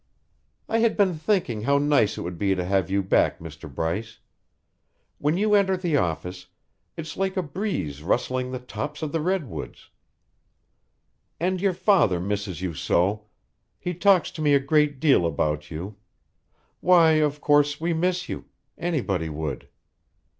"I had been thinking how nice it would be to have you back, Mr. Bryce. When you enter the office, it's like a breeze rustling the tops of the Redwoods. And your father misses you so; he talks to me a great deal about you. Why, of course we miss you; anybody would."